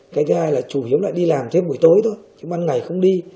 cái thứ hai là chủ yếu lại đi làm thêm buổi tối thôi chứ ban ngày không đi